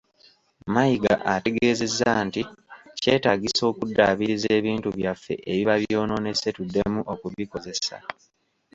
Mayiga ategeezezza nti kyetaagisa okuddaabiriza ebintu byaffe ebiba byonoonese tuddemu okubikozesa.